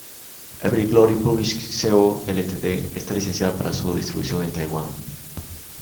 Ever Glory Publishing Co., Ltd está licenciada para su distribución en Taiwán.